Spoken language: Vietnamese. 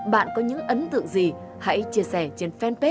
bạn có những ấn tượng gì hãy chia sẻ trên fanpage truyền hình công an nhân dân